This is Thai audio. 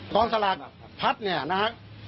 ฟ้องสลาดพัทธ์เนี่ยนะครับ